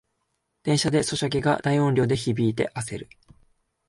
電車でソシャゲが大音量で響いてあせる